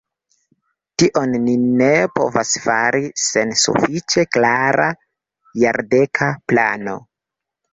Tion ni ne povas fari sen sufiĉe klara jardeka plano.